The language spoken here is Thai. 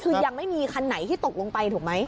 คือยังไม่มีคันไหนที่ตกลงไปถูกไหม